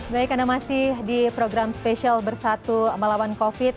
baik anda masih di program spesial bersatu melawan covid